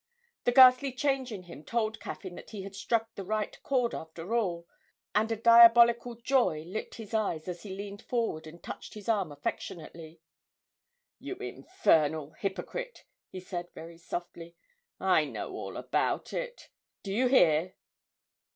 The ghastly change in him told Caffyn that he had struck the right chord after all, and a diabolical joy lit his eyes as he leaned forward and touched his arm affectionately. 'You infernal hypocrite!' he said very softly. 'I know all about it. Do you hear?'